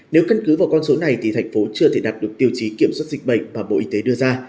nếu căn cứ vào con số này thì thành phố chưa thể đạt được tiêu chí kiểm soát dịch bệnh mà bộ y tế đưa ra